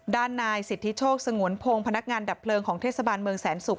ด้านนายสิทธิโชคสงวนพงศ์พนักงานดับเพลิงของเทศบาลเมืองแสนศุกร์